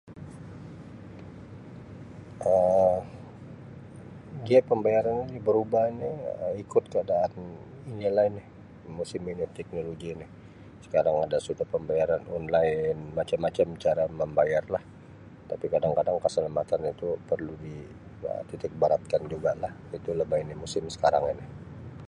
"Um Dia pembayaran ini berubah ini Um ikut keadaan ini lah ini musim ini teknologi ini, sekarang ada sudah pembayaran ""online"", macam-macam cara membayar lah tapi kadang-kadang keselamatan itu perlu di [Um]titikberatkan juga lah, itu lah bah ini musim sekarang ini. "